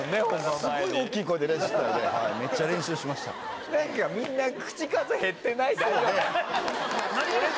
すごい大きい声で練習してた。